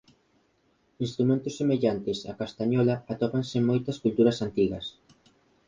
Instrumentos semellantes a castañola atópanse en moitas culturas antigas.